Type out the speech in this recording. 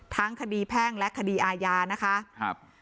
ทั้งคดีแพ่งและคดีอาญานะคะครับ